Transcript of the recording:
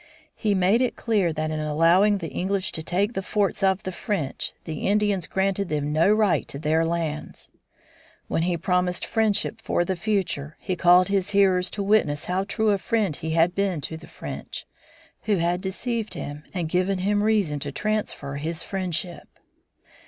He made it clear that in allowing the English to take the forts of the French the Indians granted them no right to their lands. When he promised friendship for the future, he called his hearers to witness how true a friend he had been to the French, who had deceived him and given him reason to transfer his friendship.